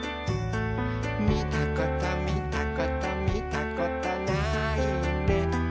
「みたことみたことみたことないね」